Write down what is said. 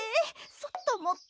そっともって。